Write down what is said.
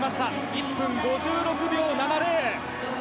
１分５６秒７０。